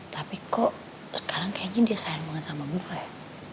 tapi kok sekarang kayaknya dia sayang banget sama bufa ya